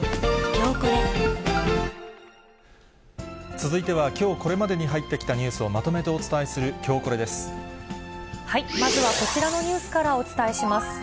続いては、きょうこれまでに入ってきたニュースをまとめてお伝えするきょうまずはこちらのニュースからお伝えします。